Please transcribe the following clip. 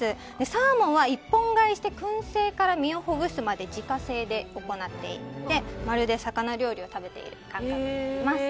サーモンは１本買いして燻製から身をほぐすまで自家製で行っていてまるで魚料理を食べている感覚です。